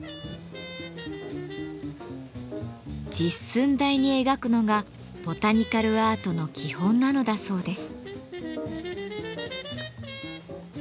実寸大に描くのがボタニカルアートの基本なのだそうです。